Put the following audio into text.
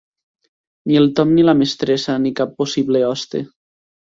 Ni el Tom ni la mestressa ni cap possible hoste.